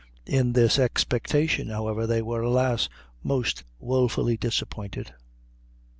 In this expectation, however, they were, alas! most wofully disappointed.